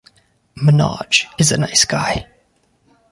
Manoj is a nice guy.